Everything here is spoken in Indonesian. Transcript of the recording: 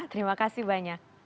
terima kasih banyak